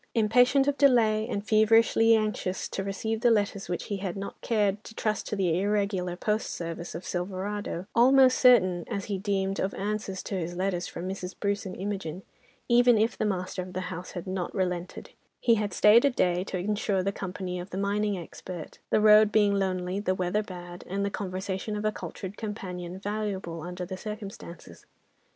Impatient of delay, and feverishly anxious to receive the letters which he had not cared to trust to the irregular postal service of Silverado; almost certain, as he deemed, of answers to his letters from Mrs. Bruce and Imogen, even if the master of the house had not relented, he had stayed a day to ensure the company of the mining expert, the road being lonely, the weather bad, and the conversation of a cultured companion valuable under the circumstances.